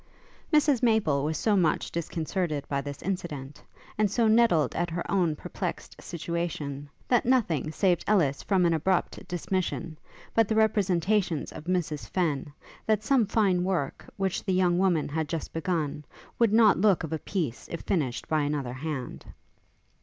Mrs Maple was so much disconcerted by this incident, and so nettled at her own perplexed situation, that nothing saved Ellis from an abrupt dismission, but the representations of Mrs Fenn, that some fine work, which the young woman had just begun, would not look of a piece if finished by another hand.